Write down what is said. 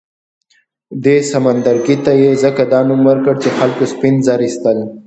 دې سمندرګي ته یې ځکه دا نوم ورکړ چې خلکو سپین زر اېستل.